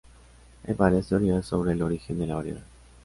Hay varias teorías sobre el origen de la variedad.